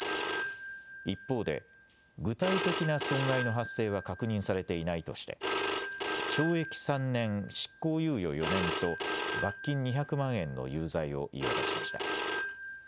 一方で具体的な損害の発生は確認されていないとして懲役３年、執行猶予４年と罰金２００万円の有罪を言い渡しました。